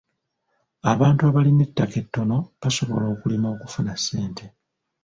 Abantu abalina ettaka ettono basobola okulima okufuna ssente.